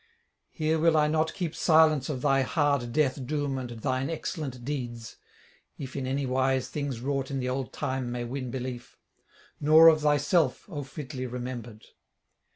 Here will I not keep silence of thy hard death doom and thine excellent deeds (if in any wise things wrought in the old time may win belief), nor of thyself, O fitly remembered!